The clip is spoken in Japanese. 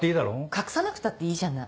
隠さなくたっていいじゃない。